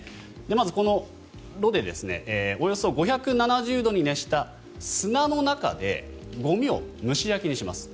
まずこの炉でおよそ５７０度に熱した砂の中でゴミを蒸し焼きにします。